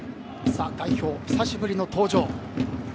代表久しぶりの登場。